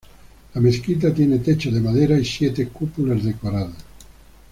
La mezquita tiene techos de madera y siete cúpulas decoradas.